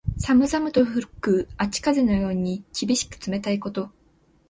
寒々と吹く秋風のように、厳しく冷たいこと。